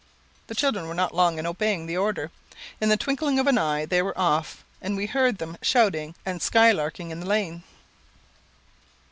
The children were not long in obeying the order. In the twinkling of an eye they were off, and we heard them shouting and sky larking in the lane.